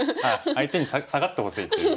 相手に下がってほしいっていう。